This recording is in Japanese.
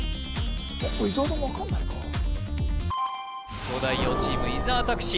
伊沢も分かんないか東大王チーム伊沢拓司